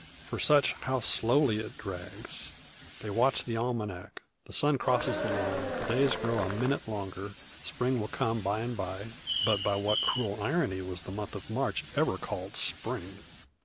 For such how slowly it drags! They watch the almanac. The sun crosses the line; the days grow a minute longer: spring will come by and by. But by what cruel irony was the month of March ever called spring?